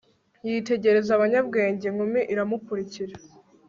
Yitegereza abanyabwenge inkumi iramukurikira